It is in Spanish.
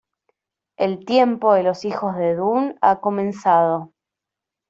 El tiempo de los Hijos de Dune ha comenzado.